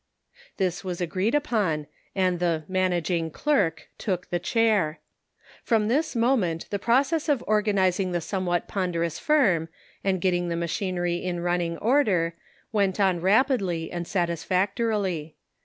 This was agreed upon, and the " managing clerk " took the chair. From this moment the process of organizing the somewhat ponderous firm, and getting the machinery in running order, went on rapidly and satisfactorily.